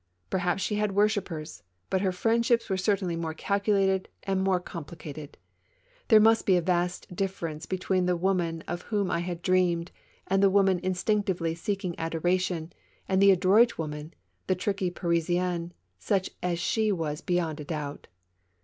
Perhaps she had worshippers, but her friend ships were certainly more calculated and more compli cated. There must be a vast distance between the woman of whom I had dreamed, the woman instinct ively seeking adoration, and the adroit woman, the tricky Parisienne, such as she was beyond a doubt.